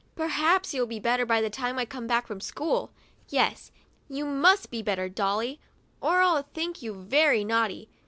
Perhaps you'll be better by the time I come back from school. Yes, you must be better, Dolly, or I'll think you very naughty.